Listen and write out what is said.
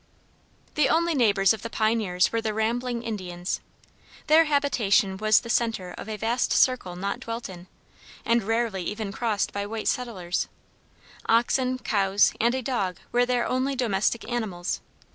The only neighbors of the pioneers were the rambling Indians. Their habitation was the center of a vast circle not dwelt in, and rarely even crossed by white settlers; oxen, cows, and a dog were their only domestic animals.